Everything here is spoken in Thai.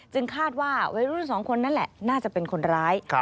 คาดว่าวัยรุ่นสองคนนั่นแหละน่าจะเป็นคนร้าย